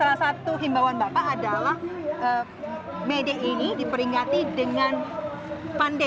salah satu himbawan bapak adalah may day ini diperingati dengan pandemi